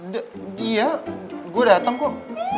d dia gua dateng kok